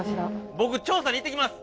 僕調査に行ってきます